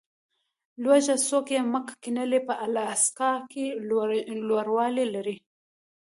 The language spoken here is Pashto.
لوړه څوکه یې مک کینلي په الاسکا کې لوړوالی لري.